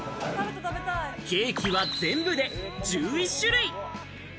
ケーキは全部で１１種類。